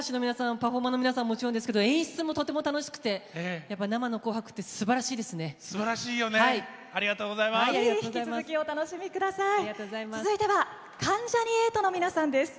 パフォーマーの皆さんはもちろんですけど演出もとても楽しくてやっぱり生の紅白ってすばらしいですね。